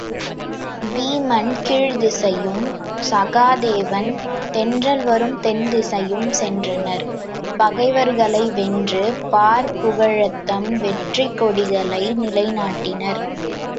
வீமன் கீழ்த்திசையும், சகாதேவன் தென்றல் வரும் தென்திசையும் சென்றனர் பகைவர்களை வென்று பார் புகழத்தம் வெற்றிக் கொடிகளை நிலைநாட்டினர்.